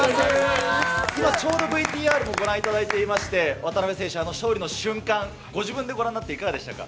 今ちょうどＶＴＲをご覧いただいていまして、渡辺選手、勝利の瞬間、ご自分でご覧になっていかがでしたか？